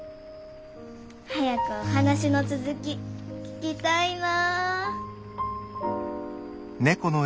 早くお話の続き聞きたいな。